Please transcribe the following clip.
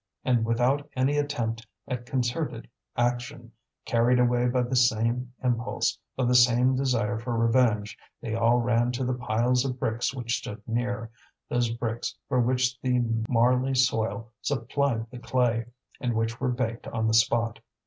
And without any attempt at concerted action, carried away by the same impulse, by the same desire for revenge, they all ran to the piles of bricks which stood near, those bricks for which the marly soil supplied the clay, and which were baked on the spot.